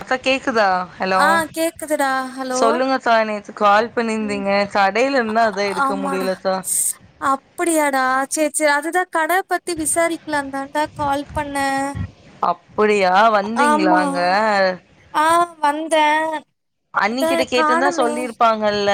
அக்கா கேக் குதா ஹலோ ஆ கேக்குதுடா ஹலோ சொல்லுங்க ஃபா நேத்து கால் ம் பண்ணிருந்தீங்க கடேல ஆ இருந்தா அதான் எடுக்க ஆமாடா முடியலக்கா அப்புடியாடா சேர் சேர் அதுதா கட பத்தி விசாரிக்கலான் தாண்டா கால் பண்ணே அப்படியா வந்தீங்களா ஆமா அங்க ஆ வந்தே அதா அண்ணிக்கிட்ட கேட்டிருந்தா காணமே சொல்லியிருப்பாங்கல்ல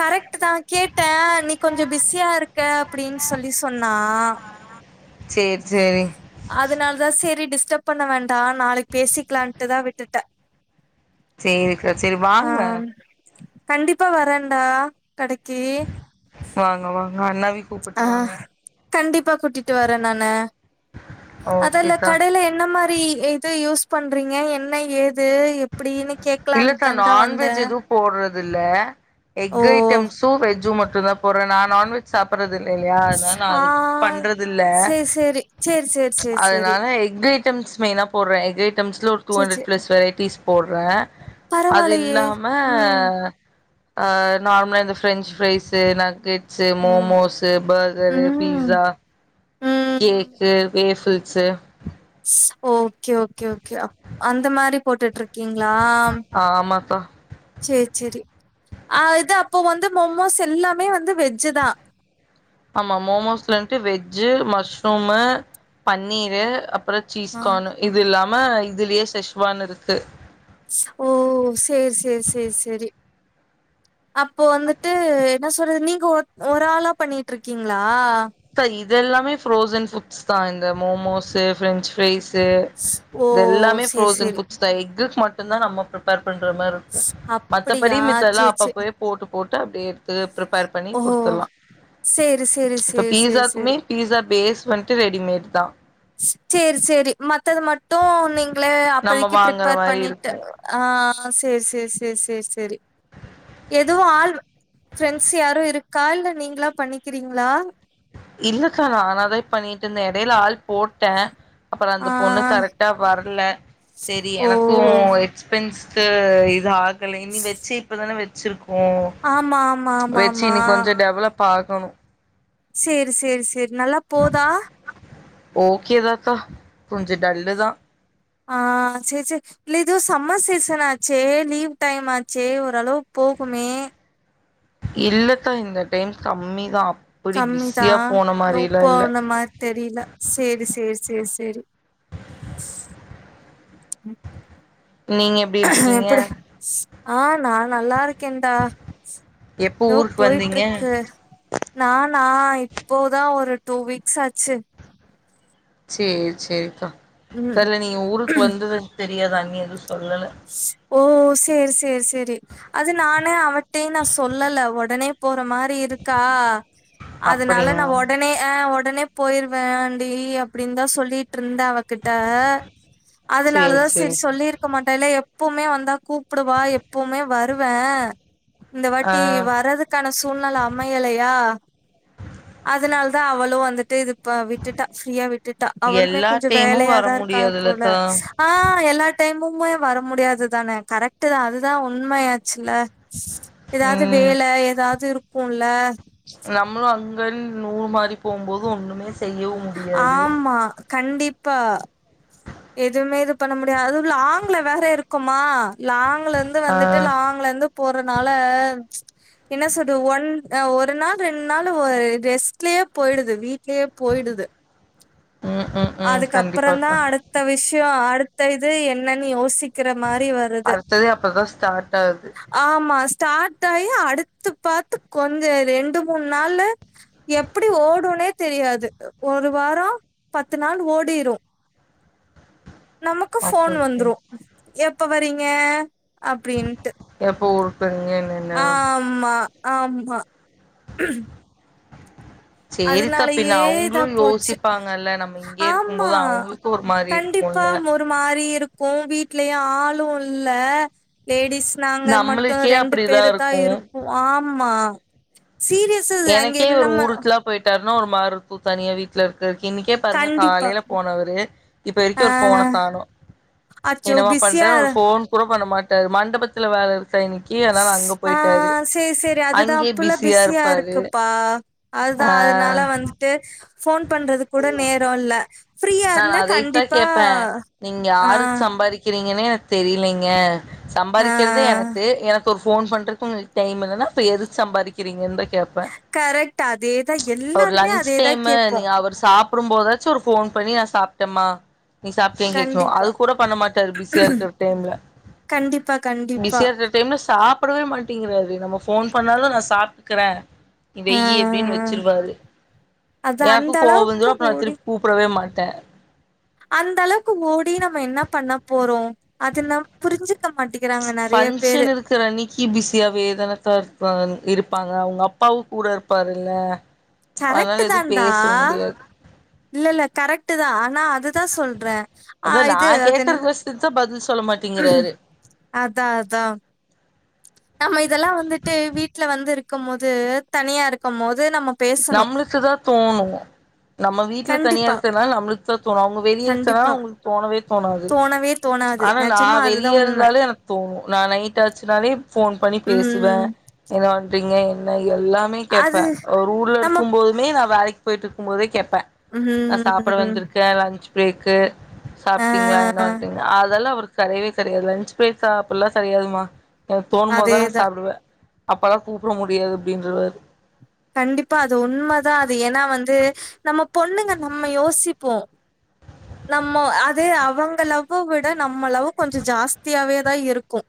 கரெக்ட்டு தா கேட்டே நீ கொஞ்சோ பிஸியா இருக்க அப்புடின் சொல்லி சொன்னா சேரி சேரி அதுனால தா சேரி டிஸ்டப் பண்ண வேண் டா நாளக் பேசிக்கலான்ட்டு தா விட்டுட்டே சேரிக்கா சேரி வாங்க கண்டிப்பா வரண்டா கடக்கி [unintelligible] ஆ வாங்க கண்டிப்பா கூட்டிட்டு வரே நானு அதல்ல ஓகேக்கா கடேல என்ன மாரி இது யூஸ் பண்றீங்க என்ன ஏ து எப்புடினு கேக்கலான் தான்டா வந்தே தில்ல ஓ எக் ஐட்டம்ஸு வெஜ்ஜு மட்டுதா போறேன் நா நான்வெஜ் சாப்பற்றது இல் ல இல்லயா அதுனால நா ஆ அது குக் பண்றது இல்ல சேர் சேரி சேர் சேர் சேர் சேரி அதுனால எக் ஐட்டம் ஸ் மெயினா போட்றே எக் ஐட்டம்ஸ்ல ஒரு டூ சேர் ஹண்ட்ரட் சேர் ப்ளஸ் வெரைட்டிஸ் போட்றே அது பரவால்லயே இல்லாம ம் அ நார்மலா இந்த ஃப்ரெஞ்சு ஃப்ரைஸு நக்கட் ச ஓ மோமோஸ் பர்கர் ம் பீட்சா ம் cake waffles okay okay okay அந்த மாரி போட்டுட்டுருக் கிங்களா ஆ ஆமாக்கா செரி செரி ஆ இது அப்போ வந்து மொமோஸ் எல்லாமே வந்து வெஜ்ஜு தா ஆமா மோமோஸ்ல வந்ட்டு வெஜ்ஜு மஷ்ரூமு பன்னீரு அப்ரோ ஆ சீஸ்கானு இது இல்லாம இதுலயே செஷவான்னு இருக்கு ஓ செர் செர் செர் செரி அப்போ வந்துட்டு என்ன சொல்றது நீங்க ஒ ஒரு ஆளா பண்ணிட்டுருக்கீங்களா க இதெல்லாமே ஃப்ரோசன் ஃபுட்ஸ் தா இந்த மோமோஸ் ஃப்பிரெஞ்ச் ஃரைஸ் து ஓ! தெல்லாமே சேரி, ஃப்ரோசன் சேரி. ஃபுட்ஸ் தா எக்குக்கு மட்டு தா நம்ம பிரிப்பேர் பண்ற மாரி இருக்கு மத்தபடி அப்படியா? மித்த எல்லாம் சேரி, சேரி. அப்பப்பயே போட்டு போட்டு அப்டியே து ப்ரிப்பேர் பண்ணி ஓ! குடுதர்லாம் சேரி, சேரி, இப்ப சேரி, சேரி, சேரி. பீஸாக்குமே பீஸா பேஸ் வந்துட்டு ரெடிமேட் தா ச செரி செரி மத்தது மட்டு நீங்களே நம்ம அப்பதிக்கு வாங்குற பிரிப்பர் மாரி பண்ணிட்டு இருக்கு ஆ ஆ செர் செர் செர் செர் செரி எதுவு ஆள் ஃரெண்ட்ஸ் யாரு இருக்கா இல்ல நீங்களா பண்ணிக்கிறீங்களா இல்லக்கா நான தா பண்ணிட்டுந்த எடையில ஆள் போட்ட அப்ரோ அந்த ஆ பொண்ணு கரெக்டா வரல செரி ஓ! எனக்கும் எக்ஸ்பென்ஸ்கு இது ஆகலை இநீ வச்சு இப்பதான வச்சிருக் ஓ ஆமா, ஆமா, வச்சு ஆமாமா. இனி கொஞ்சோ டெவளப் ஆகணும் செரி செரி செரி நல்லா போதா ஓகேதாக்கா கொஞ்சோ டல்லு தா ஆ செர் செர் இல்ல எதோ சம்மர் சீசன் ஆச்சே லீவ் டைம் ஆச்சே ஓரளவு போகுமே இல்லத்தா இந்த டைம் கம்மி தா அப்டி கம்மிதா பிஸியா போன மாரிலா ஒப்போ இல்ல அந்த மாரி தெரில செரி செரி செரி செரி உம் நீங்க எப்டி இருக்கீங்க எப்படி ஆ நா நல்லா இருக்கேன்டா எப்போ தோ ஊருக்கு வந்தீங்க போயிட்டுருக்கு நானா இப்போதா ஒரு டூ வீக்ஸ் ஆச்சு செர் செர்க்கா தெரல ம் நீங்க ஊருக்கு வந்தது எனக் தெரியாதா அன்னி எது ஓ செரி செரி செரி அது நானு அவட்டையும் நா சொல்லல உடனே மாரி இருக்கா அதனால அப்படியா நா ஒடனே ஆ ஒ டனே போயிருவ டி அப்டின்னு தா சொல்லிட் ருந்த அவகிட்ட சேரி அதனாலதா சேரி செரி சொல்லிருக்க மா இல்ல எப்பவுமே வந்தா கூப்பிடுவா எப்பவுமே வருவ இந்த ஆ வாட்டி வர்றதுக்கான சூழ்நல அமயலையா அதனால தா அவளு வந்து டு இதுப்பா விட்டுட்டா ஃரீயா விட்டுட்டா அவளுமே எல்லா கொஞ்சொ டைமு வர வேலையாதா ருக்கா போல முடியாதுல்லக்கா ஆ எல்லா டைமுமே வர முடியாது தான கரெக்ட் தா அதுதா உண்மையா சுல ஏதாது ம் வேல ஏதாது இருக்குல நம்மளு அங்க நூல் மாறி போம்போது ஒண்ணுமே செய்யவு முடியாது ஆமா கண்டிப்பா எதுவுமே இது பண்ண முடியாது அதுவு லாங்குல வேற இருக்கொமா லாங்லந்து வந்துட்டு ஆ லாங்லந்து போறனால என்ன சொல்றது ஒன் ஆ ஒரு நாள் ரெண் நாள் ஒரு ரெஸ்ட்லயே போயிடுது வீட்லயே போயி விடுது ம் ம் ம் அதுக்கப்பறந் தா கண்டிப்பாக்கா அடுத்த விஷ்யோ அடுத்த இது என்னன்னு யோசிக் க்கிற மாரி வருது அடுத்ததே அப்பதா ஸ்டார்ட் ஆகுது ஆமா ஸ்டாட் ஆயி அடுத்து பாத்து கொஞ்ச ரெண்டு மூணு நாளு எப்புடி ஓடுனே தெரியாது ஒரு வாரோ பத்து நாள் ஓடிரு நமக்கு ஓகே ஃபோன் ஓகே வந்துரு எப்ப வரீங்க அப்டின்ட்டு எப்போ ஊருக்கு போறீங்க என்னன்னு ஆம்மா ஆம்மா சேரிக்கா அதனாலயே பின்ன இதா அவங்களு போச்சு யோசிப்பாங்கல்ல நம்ம இங்கயே இருக்கும் ஆமா போது அவங்களுக்கு ஒரு மாரி கண்டிப் அப்பா இருக்குல்ல ஒரு மாரி இருக்கு வீட்லயு ஆளு இல்ல லேடிஸ் நாங்க மட்டு நம்மளுக்கே ரெண்டு அப்டிதா பேரு தா இருக்கு இருக்கொ ஆமா சீரியஸ்ஸஸ் அங்கே நம்ம போயிட்டாருனா ஒரு மார்ருக்கு தனியா வீட்ல இருக் க இன்னைக்கே பாருங்க கண்டிப்பா. காலைல போனவரு இப்ப வரைக்கு ஆ ஒரு ஃபோன காணோ அச்சோ! என்னமா பிஸியா பண்றேன் ஒரு ஃபோன் கூட பண்ண மாட்டாரு மண்டபத்துல வேல இருக் கா இன்னைக்கு அதனால அங்க ஆ போயிட்டாரு அங்கயே பிஸியா இருப் ஆ இருக்குப்பா அதுதா அதனால வந்துட்டு ஃபோன் பண்றதுக் கூட நேர இல்ல ஃப்ரீயா நானு இருந்தா அதயத்தா கண்டிப்பா கேப்ப நீங்க ஆ, யாருக்கு சம்பாரிக்கிறிங் கனே எனக்கு தெரிலிங்க ஆ சம்பாரிக்கறதே எனக்கு எனக் கு ஒரு ஃபோன் பண்றக்கு உங்களுக்கு டைம் இல்லனா அப்ப எதுக்கு சம்பாரிக்கிறிங்கன்தா கேப்ப கரெக்ட் அதேதான் ஒரு எல்லாருமே லன்ச் அதேதான் டைமு நீ கேட்போம். அவுர் சாப் ப்புடும் போதாச்சு ஒரு ஃபோன் பண்ணி நா சாப்டம்மா நீ சாப்டயாங் கேக்கணு அது கண்டிப்பா. கூட பண்ண மாட்டாரு பிஸியாருக்குற டைம்ல கண்டிப்பா, கண்டிப்பா. பிசியா இருக்குற டைம்ல சாப் படவே மாட்டேங்குறாரு நம்ம ஃபோன் பண்ணாலு நா சாப்ட்டுக்குற நீ ஆ வெய்யி அப்டினு வெச்சிருவாரு அதா எனக்கு அந்த கோவ வந்துரு அளவுக்கு அப்புற நா ஓடி திருப் கூப்டவே மாட்ட அந்த அளவுக்கு ஓடி நம்ம என்ன பண்ண போறோ அதுனம் புரிஞ்சு ஃபன்ஷனிருக்குற அன்னிக்கு பிஸியா வே தான [unintelligible] இருப்பாங்க அவுங்கப்பாவு கூட இருப்பாருல்ல அதனால கரெக்ட்டு எதுவு தான் டா பேச முடியாது இல்லல்ல கரெக்டு தா ஆனா அதுதா சொல்றே ஆ அதா நா இது கேக்குற அதென்னது கொஸ்டின்தா பதில் சொல்ல மாட்டேங்கிறாரு அதா அதா நம்ம இதெல்லா வந்துட்டு வீட்ல வந்து இருக்கம்மோது தனியா இருக்கும்மோது நம்ம பேசணு நம்முளுக்கு தா தோணு நம்ம வீட்ல கண்டிப்பா தனியாருக்குறனால நம்மளுக்கு தா தோணு அவங்க வெளிய இருக்கனால கண்டிப்பா அவங்களுக்கு தோணவே தோணாது தோணவே தோணாது ஆனா நா நெஜமா அதுதா வெளிய உண்ம இருந்தாலு எனக்கு தோணு நா நைட்டாச்சுனாலே ஃபோன் பண்ணி பேசுவ ம் என்ன பண்றிங்க என்ன எல்லாமே கேப்ப அது ஒ ஊர்ல நம்ம இருக்கும் போதுமே நா வேலைக்கு போயிட்ருக்கும் போதே கேப் ப நா சாப்பட ம் வந்திருக்க லன்ச் பிரேக்கு ஆ சாப்ட்டிங்ளா என்ன பண்றிங்க அதெல்லா அவுருக் கெடையவே கெடையாது லன்ச் ப்ரேக் சாப்பிடல்லா கெடையாதுமா எனக்கு தோணும்போதா நா அதேதா சாப்பிடுவே அப்பல்லா கூப்பட முடியாது அப்டின்ட்ருவாரு கண்டிப்பா அது உண்மதா அது ஏனா வந்து நம்ம பொண்ணுங்க நம்ம யோசிப்போ நம்ம அதே அவங்க லவ்வ விட நம்ம லவ் கொஞ்ச ஜாஸ்தியாவே தா இருக்கு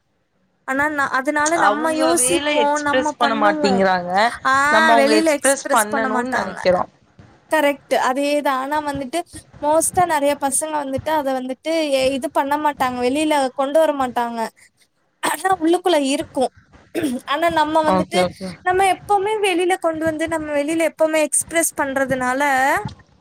ஆனா நா அதனால நம்ம அவங்க வேல யோசிப்போ எக்ஸ்பிரஸ் நம்ம பண்ண பண்ணுவோ மாட்டேங்கிறாங்க ஆ நம்ம அவங்க வெளில எக்ஸ்பிரஸ் பண்ண பண்ணணும்னு மாட்டாங்க நெனைக்கிறோ கரெக்ட் அதேதா ஆனா வந்துட்டு மோஸ்டா நறையா பசங்க வந்துட்டு அத வந்துட்டு ஏ இது பண்ண பண்ண மாட்டாங்க வெளில கொண்டு வர மாட்டாங்க ஆனா உள்ளுக்குள்ள இருக்கு ஆனா நம்ம ஓகே வந்துட்டு ஓகே நம்ம எப்பமே வெளில கொண்டு வந்து நம்ம வெளில எப்பமே எக்ஸ்பிரஸ் பண்றது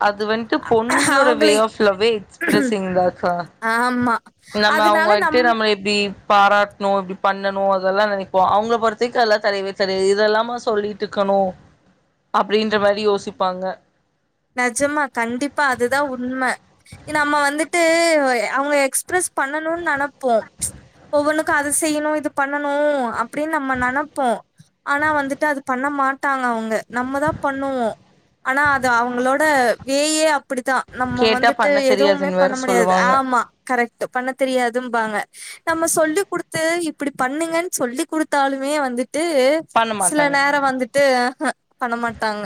அது வன்ட்டு பொண்ணுங்களோட வே அவங்களே ஆப் லவ்வே எக்ஸ்பிரஸிங் தா கா ஆமா நம்ம அதனால அவுங்க எத்து நம் நம்ம எப்டி பாராட்ணு இப்டி பண்ணணு அதெல்லா நெனைப்போ அவங்கல பொறுத்த வைக்கு அதெல்லா தரியவே தெரியாது இதெல்லாமா சொல்லிட்டு ட்டுக்கணு அப்டின்ற மாரி யோசிப்பாங்க நெஜமா கண்டிப்பா அதுதா உண்ம நம்ம வந்துட்டு அவங்க எக்ஸ்பிரஸ் பண்ணணுன் நெனப்போ ஒவ்வொன்னுக்கு அது செய்யணு இது பண்ணணு அப்டின் நம்ம நெனப்போ ஆனா வந்துட்டு அது பண்ண மாட்டாங்க அவங்க நம்மதா பண்ணுவோ ஆனா அது அவங்களோட வேயே அப்டித்தா நம்ம கேட்டா வந்துட்டு பண்ண எதுமே தெரியாதுன்னு வேற பண்ண முடியாது சொல்லுவாங்க ஆமா கரெக்ட் பண்ண தெரியாதும்பாங்க நம்ம சொல்லி குடுத்து இப்டி பண்ணுங்கன் சொல்லி குடுத்தாலுமே வந்து ட்டு பண்ண சில மாட்டாங்க நேரொ வந்துட்டு அ ஹ பண்ண மாட்டாங்க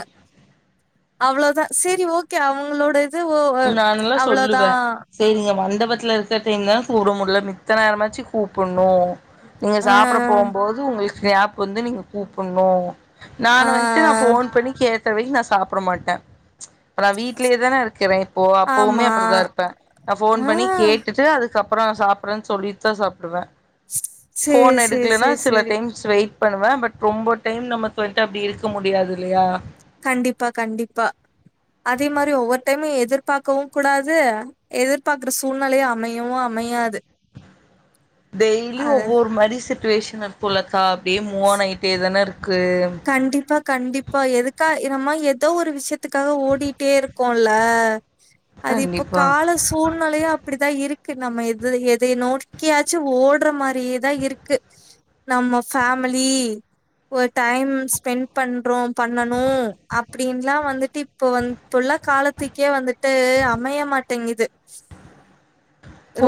அவ்ளோதா செரி ஓகே அவங்களோட இது ஓ அ நான் ல்லா சொல்லுவே அவ்வளோதான். சேரி வந்த விபத்துல இருக்க [unintelligible] தா கூப்ட முல்ல மித்த நேரமாச்சு கூப்புண்ணு நீங்க அ, சாப்ட போம்போது உங்களுக்கு நெனப்பு வந்து நீங்க கூப்புண்ணு ஆ, நான் வந்ட்டு நா ஃபோன் பண்ணி கேக் ற வரை [unintelligible] இப்ப நா சாப்ட மாட்டே நா வீட்லே தானே இருக்கே [unintelligible] ஓ அப்பவுமே ஆமா, அப்டிதா இருப்பே நான் ஃபோன் பண்ணி ஆ. கேட்டுட்டு அதுக்கப் அப்றம் நா சாப்புறே சொல்லிட் தா சாப்டுவ ஃபோன் சேரி பண்ணி சேரி எடுக்கலன்னா சேரி சில சேரி டைம்ஸ் வெயிட் பண்ணுவ பட் ரொம்ப டைம் நமக்கு வன்ட்டு அப்டி இருக்க முடியாது இல்லையா கண்டிப்பா கண்டிப்பா அதே மாரி ஒவ்வொரு டைமு எதிர்பாக்கவு கூடாது எதிர்பாக்ற சூழ்நிலையு அமையவு அமை மையாது டெய்லி ஒவ்வொரு மாரி சுட்டிவேஷன் இருக்கு லக்கா அப்டியே மூவ் ஆன் ஆயிட்டே தான இருக் கண்டிப்பா கண்டிப்பா எதுக்கா நம்ம ஏதோ ஒரு விஷயத்துக்காக ஓடிட்டே ருக்கோல அது இப்ப கண்டிப்பா கால சூழ்நிலையு அப்டிதா இருக் க்கு நம்ம எது எத நோக்கியாச்சு ஓட்ற மாரியேதா இருக்கு நம்ம ஃபேமலி டைம் ஸ்பெண்ட் பண்றோ பண்ணனு அப்டின்லா வந்துட்டு இப்போ வந் இப்புள்ள காலத் துக்கே வந்துட்டு அமைய மாட்டேங்கிது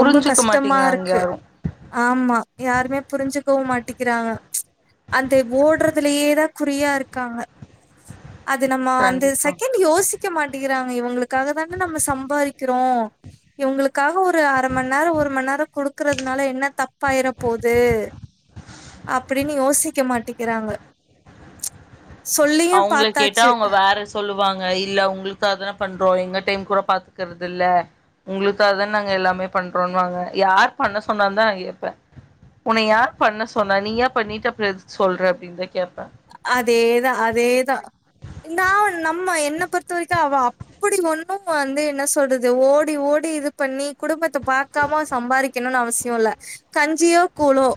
ரொம்ப மாட்டேங்கிறாங்க கஷ்டமாருக்கு யாரு ஆமா யாருமே புரிஞ்சுக்கவு மாட்டி க்கிறாங்க அந்த ஓட்றதுலியேதா குறியா இருக்காங்க அது நம்ம அந்த கண்டிப்பா செகண்ட் யோசிக்க மாட்டிகிறாங் க இவங்களுக்காக தான நம்ம சம்பாரிக்கிறோ இவங்களுக்காக ஒரு அர மண் நேரொ ஒரு மண் நேரொ குடுக்கறதுனால என்ன தப்பாயிர போது அப்டின்னு யோசிக்க மாட்டிக்கிறாங்க அவங்கள கேட்டா அவங்க வேற சொல்லு வாங்க இல்ல உங்ளுக்காக தான பண்றோ எங்க டைம் கூட பாத்துக்கறது இல்ல உங்ளுக்காக தான நாங்க எல்லாமே பண்றோன் னுவாங்க யார் பண்ண சொன்னான் தா நா கேப்பே உன்ன யார் பண்ண சொன்னா நீயா பண்ணிட்டு அப்றம் எதுக்கு சொல்ற அப்டின் தா கேப்பே அதேதா அதே தா இந்தா நம்ம என்ன பொறுத்த வரைக்கு அவ அப்டி ஒன்னு வந்து என்ன சொல்றது ஓடி ஓடி டி இது பண்ணி குடும்பத்த பாக்காம சம்பாரிக்கணுன் அவசியோ இல்ல கஞ்சியோ கூழோ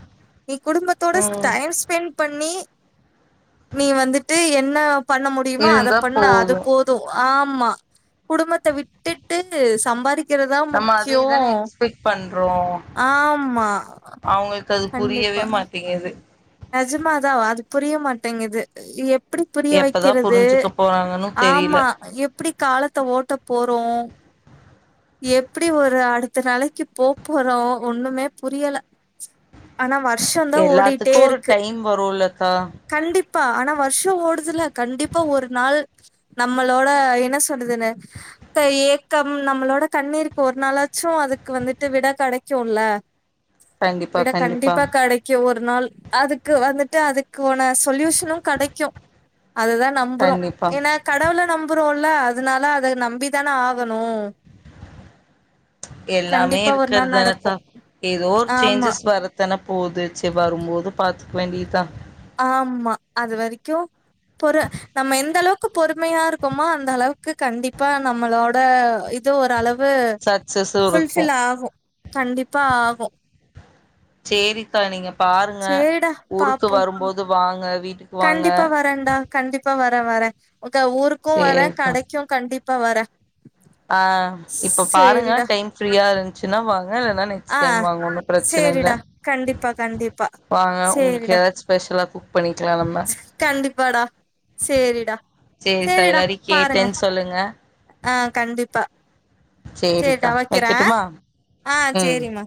நீ குடும்பத்தோட ஸ் ம் டைம் ஸ்பென்ட் பண்ணி நீ வந்துட்டு என்ன பண்ண முடியுமோ அத பண்ணு அது போது ஆ ம்மா குடும்பத்த விட்டுட்டு சம்பாரி க்கிறதா நம்ம அதை முக்கியோ தான எக்ஸ்பெக்ட் பண்றோ ஆமா கண்டிப் வே மாட்டிங்குது நெஜமாதா அது புரிய மாட்டேங்குது எப்டி புரிய எப்பதா வைக்கிறது புரிஞ்சுக்க போறாங்கன்னு தெரியல ஆமா எப்டி காலத்த ஓட்ட போறோ எப்டி ஒரு அடுத்த நாளைக்கு போ போறோ ஒன்னுமே புரியல ஆனா வர்ஷந்தா ஓடி [unintelligible] ஒரு டைம் வருல்லக்கா ப்பா ஆனா வர்ஷோ ஓடுதுல்ல கண்டிப்பா ஒரு நாள் நம்மளோட என்ன சொல்றதுன்னு இப்ப ஏக்கம் நம்மளோட கண்ணீருக்கு ஒரு நாளாச்சு அதுக்கு வந்துட்டு விட கெடைக்குல்ல விட கண்டிப்பா கெடைக்கு ஒரு ஒரு நாள் அதுக்கு வந்துட்டு அதுக்குவான சொல்யூஷனு கெடைக்கு அதுதா நம்புறோ கண்டிப்பா ஏன்னா கடவுள நம் நம்புறோல்ல அதுனால அத நம்பி தான ஆகணு எல்லாமே கண்டிப்பா ஒரு இருக்கறது நாள் தான நடக்கு. பா ஏதோ ஒரு ஆமா சேஞ்சஸ் வரத்தான போது சே வரும் போது பாத்துக் வேண்டிதா ஆமா அது வரைக்கு பொற நம்ம எந்த அளவுக்கு பொறுமையா இருக்கமோ அந்த அளவுக்கு கண்டிப்பா நம்மளோட இது ஓரளவு சக்சஸும் இருக்கு ஃபுல்ஃபில் ஆகு கண்டிப்பா ஆகு சேரிக்கா நீங்க பாருங்க சேரிடா ஊருக்கு பாப்போ வரும்போது வாங்க வீ கண்டிப்பா வரேன்டா கண்டிப்பா வரே வரே உங்க ஊருக்கு வரே சேரிக்கா கடைக்கு கண்டிப் ப்பா வரே ஆ இப்ப பாருங்க சேரிடா டைம் ஃப்ரீயா இருந்ச்சுன்னா வாங்க இல்லன்னா நைக்ஸ்ட் ஆ டைம் வாங்க ஒன்னு பிரச்சன இல்ல சேரிடா கண்டிப்பா கண்டிப்பா வாங்க உங்களுக்கு சேரிடா ஏதாச்சு ஸ்பெஷலா குக் பண்ணிக்கலா நம்ம கண்டிப்பாடா சேரிடா சேரிக்கா சேரிடா எல்லாரையு பாருங்க கேட்டேன்னு சொல்லுங்க ஆ கண்டிப்பா சேரிடா சேரிக்கா வக்கிறே வைக்கட்டுமா ஆ ம் சேரிமா